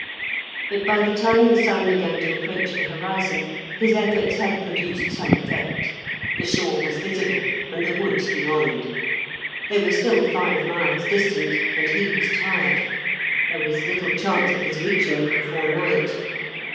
But by the time the sun began to approach the horizon, his efforts had produced some effect, the shore was visible, and the woods beyond. They were still five miles distant, and he was tired; there was little chance of his reaching it before night.